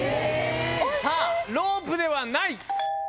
さあ、ロープではない。